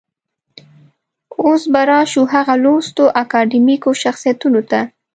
اوس به راشو هغه لوستو اکاډمیکو شخصيتونو ته.